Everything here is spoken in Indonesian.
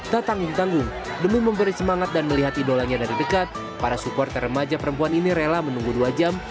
tak tanggung tanggung demi memberi semangat dan melihat idolanya dari dekat para supporter remaja perempuan ini rela menunggu dua jam